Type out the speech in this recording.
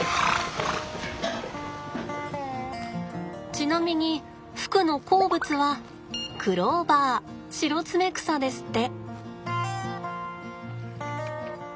ちなみに福の好物はクローバーシロツメクサですって。